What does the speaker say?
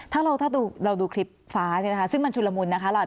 ถ้าเราดูคลิปฟ้าเนี่ยค่ะซึ่งมันชุดละมุนนะคะ